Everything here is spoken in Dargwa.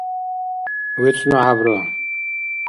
вецӀну хӀябра